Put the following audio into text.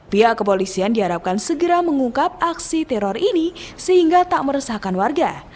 pihak kepolisian diharapkan segera mengungkap aksi teror ini sehingga tak meresahkan warga